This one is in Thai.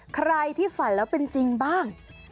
ใครที่ฝันแล้วเป็นจริงบ้าง